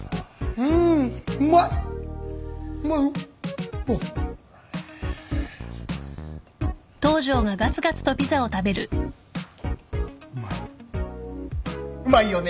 うまい？うまいよね。